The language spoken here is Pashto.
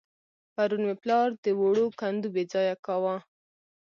پرون مې پلار د وړو کندو بېځايه کاوه.